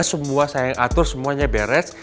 semua saya atur semuanya beres